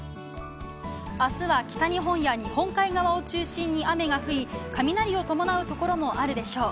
明日は、北日本や日本海側を中心に雨が降り雷を伴うところもあるでしょう。